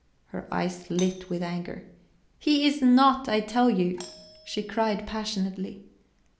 Her eyes lit with anger. "He is not, I tell you," she cried passionately.